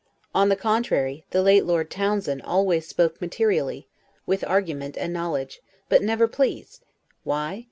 On the contrary, the late Lord Townshend always spoke materially, with argument and knowledge, but never pleased. Why?